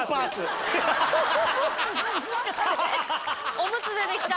おむつ出てきた。